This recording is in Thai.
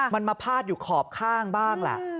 มันมาพาดอยู่ขอบข้างบ้างล่ะ